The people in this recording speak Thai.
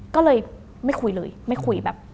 ก็เลยไม่คุยเลยไม่คุยแบบ